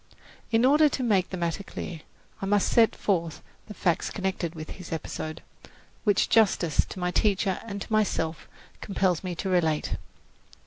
In order to make the matter clear, I must set forth the facts connected with this episode, which justice to my teacher and to myself compels me to relate.